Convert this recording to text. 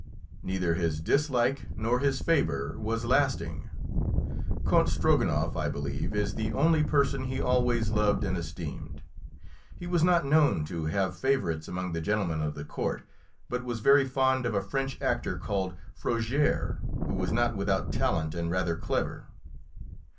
Neither his dislike nor his favour was lasting. Count Strogonoff, I believe, is the only person he always loved and esteemed. He was not known to have favourites among the gentlemen of the court, but was very fond of a French actor called Frogères, who was not without talent and rather clever.